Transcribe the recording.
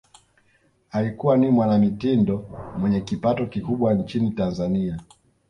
alikuwa ni mwanamitindo mwenye kipato kikubwa nchini tanzani